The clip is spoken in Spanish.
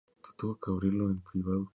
Contiene tres especies aceptadas.